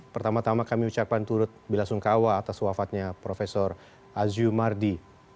pertama tama kami ucapkan turut bila sungkawa atas wafatnya prof aziu mardi